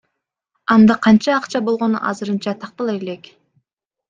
Анда канча акча болгону азырынча тактала элек.